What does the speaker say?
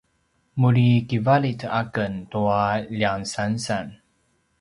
muri kivalit aken tua ljansansan